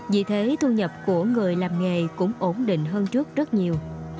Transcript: vì thế thu nhập của người làm nghề cũng ổn định hơn trước rất nhiều